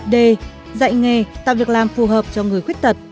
d dạy nghề tạo việc làm phù hợp cho người khuyết tật